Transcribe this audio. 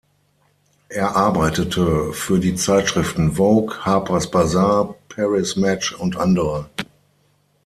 Er arbeitete für die Zeitschriften Vogue, Harper’s Bazaar, Paris Match und andere.